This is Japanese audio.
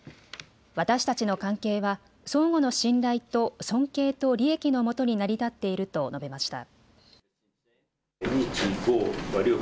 私たちの関係は相互の信頼と尊敬と利益のもとに成り立っていると述べました。